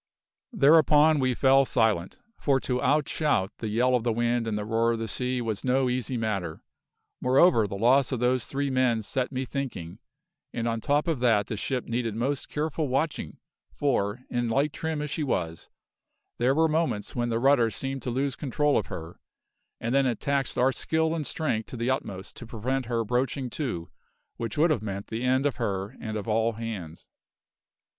Thereupon we fell silent, for to out shout the yell of the wind and the roar of the sea was no easy matter; moreover the loss of those three men set me thinking, and on top of that the ship needed most careful watching, for, in light trim as she was, there were moments when the rudder seemed to lose control of her, and then it taxed our skill and strength to the utmost to prevent her broaching to, which would have meant the end of her and of all hands.